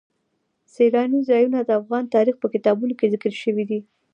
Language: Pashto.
سیلانی ځایونه د افغان تاریخ په کتابونو کې ذکر شوی دي.